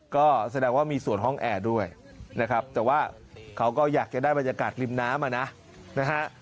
ก็แสดงว่ามีส่วนห้องแอร์ด้วยนะครับแต่ว่าเขาก็อยากจะได้บรรยากาศริมน้ำอ่ะนะนะฮะ